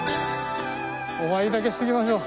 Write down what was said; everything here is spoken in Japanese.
お参りだけしていきましょう。